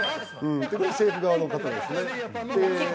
これ政府側の方ですね。